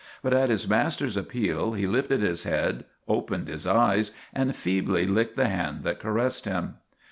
But at his master's appeal he lifted his head, opened his eyes and feebly licked the hand that caressed him.